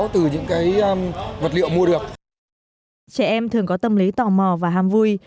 trẻ em thường có tâm lý tò mò và hàm vui